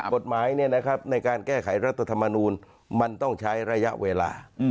กฎหมายในการแก้ไขรัฐธรรมนูลมันต้องใช้ระยะเวลา